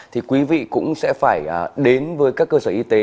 thì quý vị cũng sẽ phải đến với các cơ sở y tế